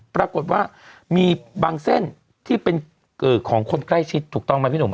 ปรากฏว่ามีบางเส้นที่เป็นของคนใกล้ชิดถูกต้องไหมพี่หนุ่ม